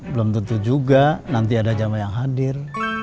belum tentu juga nanti ada jamaah yang hadir